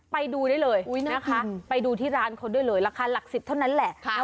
ไปดูได้เลยนะคะไปดูที่ร้านเขาด้วยเลยราคาหลัก๑๐เท่านั้นแหละ